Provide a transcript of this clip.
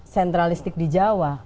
sentralistik di jawa